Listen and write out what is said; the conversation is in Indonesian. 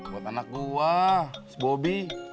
buat anak gua se bobi